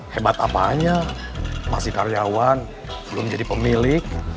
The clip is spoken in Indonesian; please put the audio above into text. hebat apa aja masih karyawan belum jadi pemilik